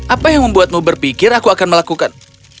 apa yang membuatmu berpikir aku akan melakukan